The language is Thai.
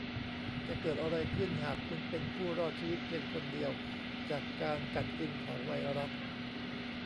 จะเกิดอะไรขึ้นหากคุณเป็นผู้รอดชีวิตเพียงคนเดียวจากการกัดกินของไวรัส